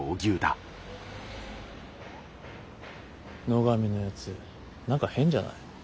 野上のやつ何か変じゃない？